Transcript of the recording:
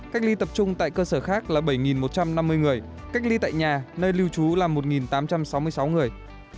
cách ly tập trung tại cơ sở khác là bảy một trăm năm mươi người cách ly tại nhà nơi lưu trú là một tám trăm sáu mươi sáu người